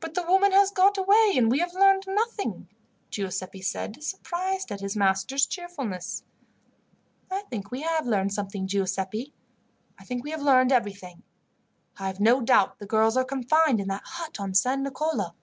"But the woman has got away and we have learned nothing," Giuseppi said, surprised at his master's cheerfulness. "I think we have learned something, Giuseppi. I think we have learned everything. I have no doubt the girls are confined in that hut on San Nicolo.